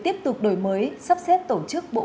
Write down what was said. tiếp tục đổi mới sắp xếp tổ chức bộ